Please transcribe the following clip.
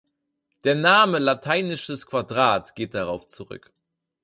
Der Name lateinisches Quadrat geht darauf zurück.